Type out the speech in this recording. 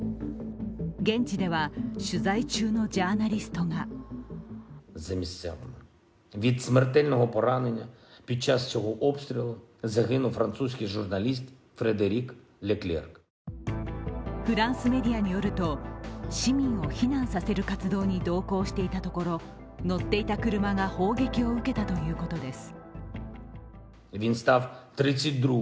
現地では取材中のジャーナリストがフランスメディアによると市民を避難させる活動に同行していたところ乗っていた車が砲撃を受けたということです。